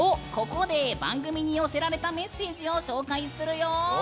ここで番組に寄せられたメッセージを紹介するよ！